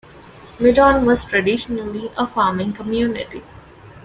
Medon was traditionally a farming community.